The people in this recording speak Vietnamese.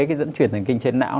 cái dẫn chuyển thành kinh trên não